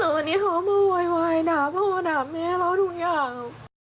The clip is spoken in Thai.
ไวนี้เค้ามาวัยวายดาม่าได้รับทุกอย่าง